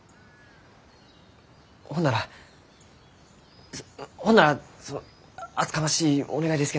ほんならほんならその厚かましいお願いです